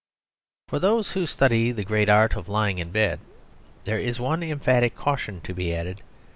For those who study the great art of lying in bed there is one emphatic caution to be added.